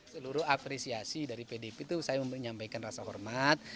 seluruh apresiasi dari pdip itu saya menyampaikan rasa hormat